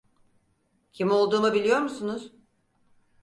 Kim olduğumu biliyor musunuz?